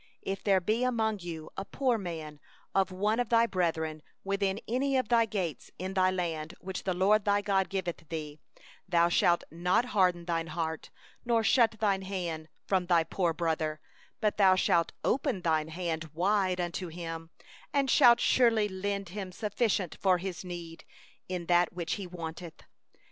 7If there be among you a needy man, one of thy brethren, within any of thy gates, in thy land which the LORD thy God giveth thee, thou shalt not harden thy heart, nor shut thy hand from thy needy brother; 8but thou shalt surely open thy hand unto him, and shalt surely lend him sufficient for his need 15 in that which he wanteth.